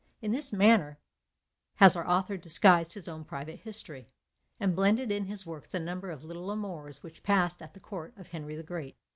In this manner has our author disguised his own private history; and blended in his works a number of little amours which passed at the court of Henry the Great.